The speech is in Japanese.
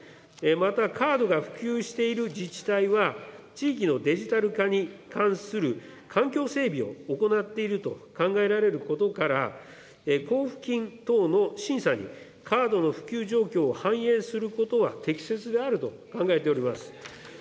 また、カードが普及している自治体は地域のデジタル化に関する環境整備を行っていると考えられることから、交付金等の審査にカードの普及状況を反映することは適切であると考えております。